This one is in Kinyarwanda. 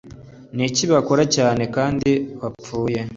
Ni iki bakorayo cyane kandi bapfuye